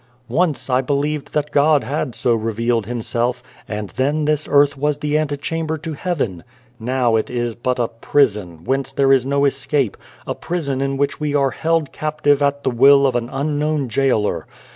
"Once I believed that God had so revealed Himself, and then this earth was the ante chamber to heaven. Now it is but a prison, whence there is no escape a prison in which we are held captive at the will of an Unknown Gaoler.